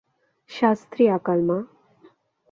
সাত শ্রী আকাল, মা!